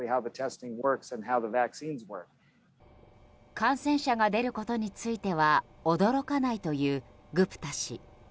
感染者が出ることについては驚かないと言う、グプタ氏。